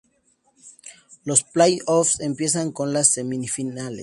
Los play-offs empiezan con las semifinales.